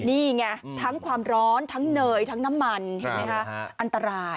นี่ไงทั้งความร้อนทั้งเนยทั้งน้ำมันเห็นไหมคะอันตราย